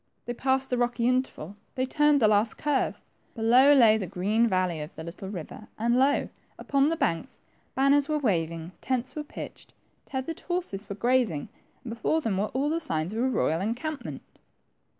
They passed the rocky interval, they turned the last curve 5 below lay the green valley of the little river, and lo, upon the banks, banners were waving,, tents were pitched, tethered horses were grazing, and before them were all the signs of a royal encampment